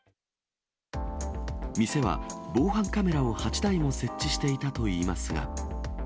店は防犯カメラを８台も設置していたといいますが。